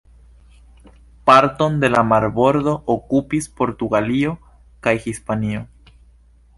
Parton de la marbordo okupis Portugalio kaj Hispanio.